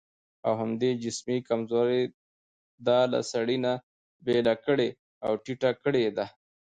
او همدې جسمي کمزورۍ دا له سړي نه بېله کړې او ټيټه کړې ده.